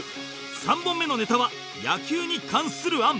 ３本目のネタは「野球に関する案」